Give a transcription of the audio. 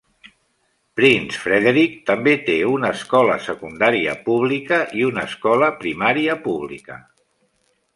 Prince Frederick també té una escola secundària pública i una escola primària pública.